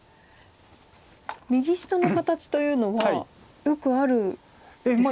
右下の形というのはよくあるんですか？